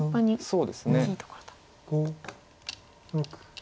そうですね。